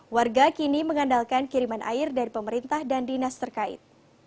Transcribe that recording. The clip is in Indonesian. warga kini mengandalkan kiriman air dari pemerintah dan dinas terkait